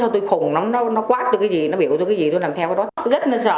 tôi quá hoảng sợ